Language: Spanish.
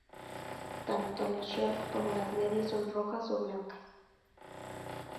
Tanto los "shorts" como las medias son rojas o blancas.